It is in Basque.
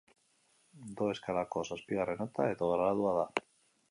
Do eskalako zazpigarren nota edo gradua da.